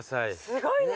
すごいね。